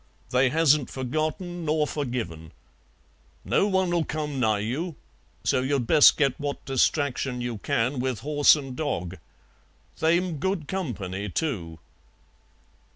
They hasn't forgotten nor forgiven. No one'll come nigh you, so you'd best get what distraction you can with horse and dog. They'm good company, too."